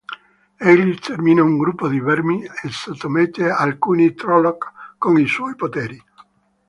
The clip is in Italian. Egli stermina un gruppo di Vermi e sottomette alcuni Trolloc con i suoi poteri.